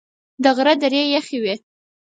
د غره درې یخي وې .